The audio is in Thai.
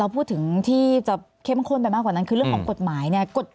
พูดถึงที่จะเข้มข้นไปมากกว่านั้นคือเรื่องของกฎหมายเนี่ย